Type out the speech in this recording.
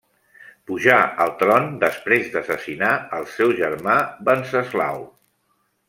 Pujà al tron després d'assassinar al seu germà Venceslau.